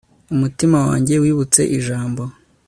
umutima wanjye wibutse ijambo